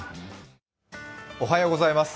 おはようございます。